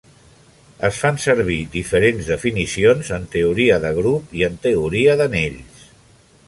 Es fan servir diferents definicions en teoria de grup i en teoria d'anells.